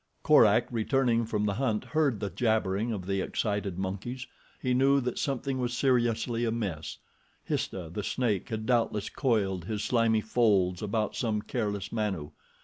Korak, returning from the hunt, heard the jabbering of the excited monkeys. He knew that something was seriously amiss. Histah, the snake, had doubtless coiled his slimy folds about some careless Manu.